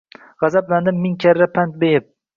Gʼazablandim ming karra pand yeb.